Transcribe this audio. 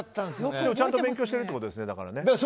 ちゃんと勉強してるってことですね。